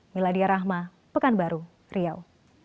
miladia rahma pekanbaru riau